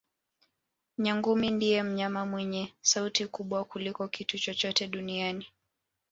Nyangumi ndiye mnyama mwenye sauti kubwa kuliko kitu chochote duniani